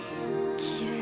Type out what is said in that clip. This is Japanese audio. きれい。